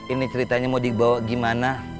ini ceritanya mau dibawa gimana